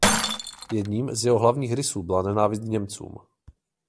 Jedním z jeho hlavních rysů byla nenávist k Němcům.